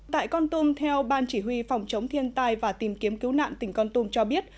tại con tum theo ban chỉ huy phòng chống thiên tai và tìm kiếm cứu nạn tỉnh con tum cho biết